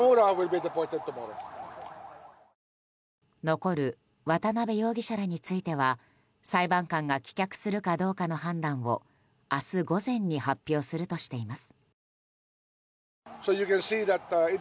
残る渡邉容疑者らについては裁判官が棄却するかどうかの判断を明日午前に発表するとしています。